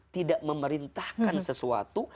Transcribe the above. tidak memerintahkan sesuatu